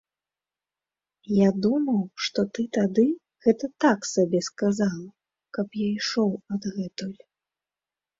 Я думаў, што ты тады гэта так сабе сказала, каб я ішоў адгэтуль.